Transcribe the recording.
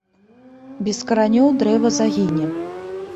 Без каранёў дрэва загіне.